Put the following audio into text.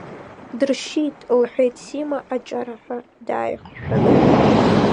Дыршьит, – лҳәеит Сима, аҷараҳәа дааихшәаны.